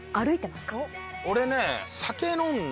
俺ね。